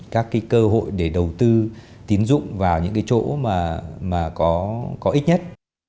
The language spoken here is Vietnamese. các cơ hội để đầu tư tiến dụng vào những chỗ có ích nhất